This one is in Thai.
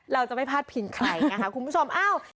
เราจะไม่พลาดพิงใครนะคะคุณผู้ชม